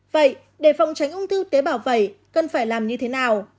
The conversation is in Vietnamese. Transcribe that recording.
vậy để phòng tránh ung thư tế bào vẩy cần phải làm như thế nào